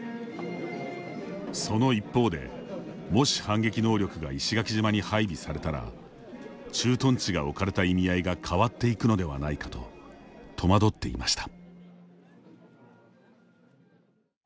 その一方で、もし反撃能力が石垣島に配備されたら駐屯地が置かれた意味合いが変わっていくのではないかと戸惑っていました。